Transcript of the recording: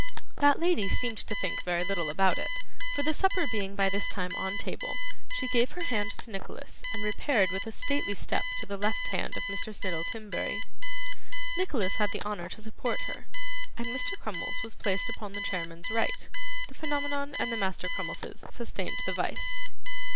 That lady seemed to think very little about it, for the supper being by this time on table, she gave her hand to Nicholas and repaired with a stately step to the left hand of Mr. Snittle Timberry. Nicholas had the honour to support her, and Mr. Crummles was placed upon the chairman's right; the Phenomenon and the Master Crummleses sustained the vice.